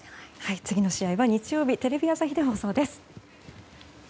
次の試合は日曜日テレビ朝日で放送です。